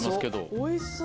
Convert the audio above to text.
おいしそう。